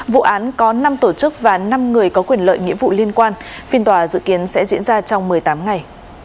vụ án có năm tổ chức và năm người có quyền lợi nghĩa vụ liên quan phiên tòa dự kiến sẽ diễn ra trong một mươi tám ngày